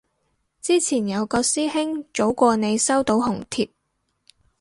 之前有個師兄早過你收到紅帖